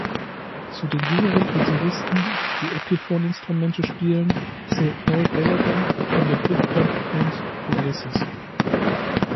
Zu den jüngeren Gitarristen, die Epiphone-Instrumente spielen, zählt Noel Gallagher von der Britpop-Band Oasis.